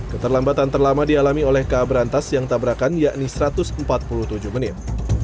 keterlambatan terlama dialami oleh ka berantas yang tabrakan yakni satu ratus empat puluh tujuh menit